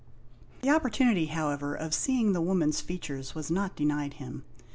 The oppor tunity, however, of seeing the woman's features was not denied him.